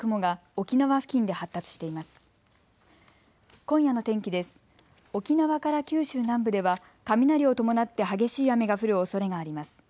沖縄から九州南部では雷を伴って激しい雨が降るおそれがあります。